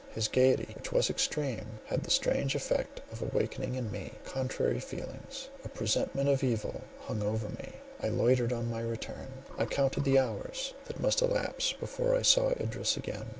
His gaiety, which was extreme, had the strange effect of awakening in me contrary feelings; a presentiment of evil hung over me; I loitered on my return; I counted the hours that must elapse before I saw Idris again.